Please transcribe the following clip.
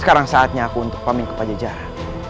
sekarang saatnya aku untuk paming kepada jajaran